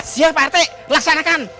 siap pak rt laksanakan